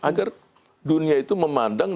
agar dunia itu memandang